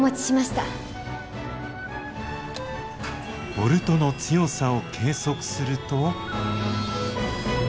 ボルトの強さを計測すると。